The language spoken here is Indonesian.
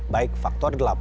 baik faktor delapan dan lima